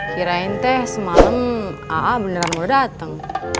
kirain teh semalam ah beneran mau dateng